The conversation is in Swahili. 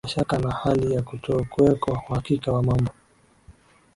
mashaka na hali ya kutokuweko uhakika wa mambo